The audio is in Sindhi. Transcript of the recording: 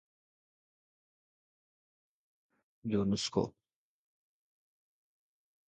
فيض احمد فيض جو ترجمو، ”هاءِ وفا“ جو نسخو